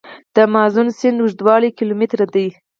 د مازون سیند اوږدوالی کیلومتره دی.